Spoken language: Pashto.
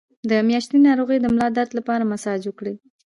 د میاشتنۍ ناروغۍ د ملا درد لپاره مساج وکړئ